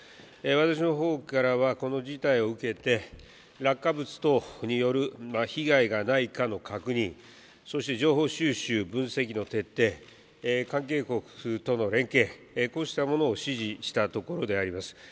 私のほうからは、この事態を受けて、落下物等による被害がないかの確認、そして情報収集、分析の徹底、関係国との連携、こうしたものを指示したところであります。